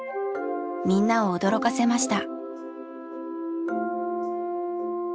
みんなを驚かせました。